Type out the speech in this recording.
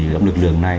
cảm lực lượng này